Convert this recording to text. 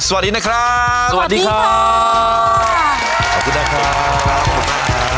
สวัสดีนะครับสวัสดีครับขอบคุณนะครับขอบคุณมาก